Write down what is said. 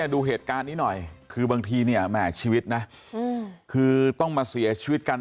ดูเหตุการณ์นี้หน่อยคือบางทีเนี่ยแหม่ชีวิตนะคือต้องมาเสียชีวิตกัน